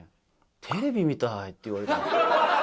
テレビみたいって言われたんです。